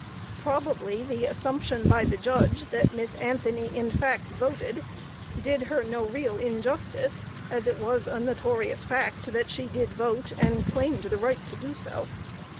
Probably the assumption by the judge that Miss Anthony in fact voted, did her no real injustice, as it was a notorious fact that she did vote, and claimed the right to do so.